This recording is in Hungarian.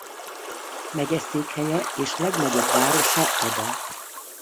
Megyeszékhelye és legnagyobb városa Ada.